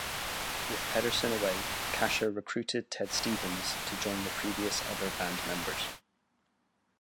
With Pederson away, Kasher recruited Ted Stevens to join the previous other band members.